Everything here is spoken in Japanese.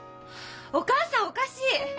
お母さんおかしい！